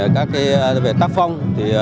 các việc tác phong